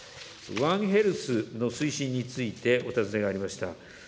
ワンヘルスの推進についてお尋ねがありました。